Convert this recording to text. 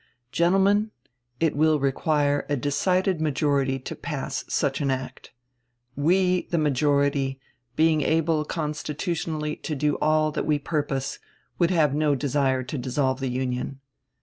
Gentlemen, it will require a decided majority to pass such an act. We, the majority, being able constitutionally to do all that we purpose, would have no desire to dissolve the Union.